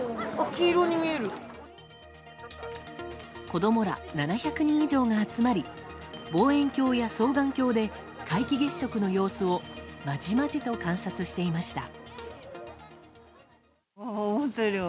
子供ら７００人以上が集まり望遠鏡や双眼鏡で皆既月食の様子をまじまじと観察していました。